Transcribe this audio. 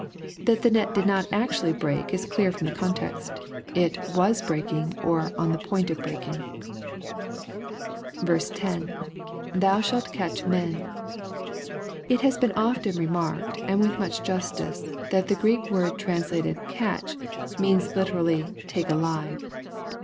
That the net did not actually break, is clear from the context It " was breaking," or "on the point of breaking." 10. — [ITiou shaU catch men."] It has been often remarked, and with much justice, that the Q^reek word translated "eaten," means Uterally " take alive."